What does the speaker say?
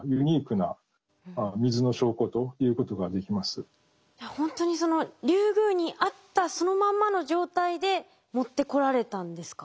そういうほんとにそのリュウグウにあったそのまんまの状態で持ってこられたんですか？